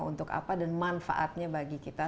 untuk apa dan manfaatnya bagi kita